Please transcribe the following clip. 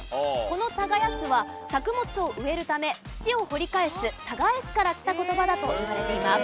この「耕す」は作物を植えるため土を掘り返す「田返す」からきた言葉だといわれています。